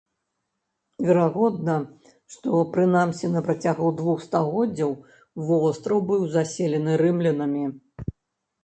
Верагодна, што прынамсі на працягу двух стагоддзяў востраў быў заселены рымлянамі.